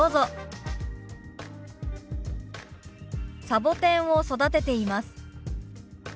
「サボテンを育てています」。